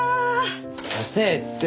遅えって。